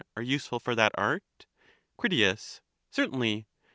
are useful for that an? Crit. Certainly.